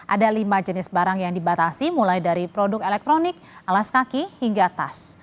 ada lima jenis barang yang dibatasi mulai dari produk elektronik alas kaki hingga tas